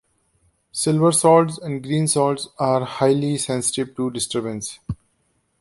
Silverswords and greenswords are highly sensitive to disturbance.